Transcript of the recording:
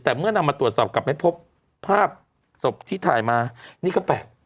แต่เมื่อนอันนั้นน่างมาตรวจสอบกลับไปพบภาพสบที่ถ่ายมานี่ก็แปลก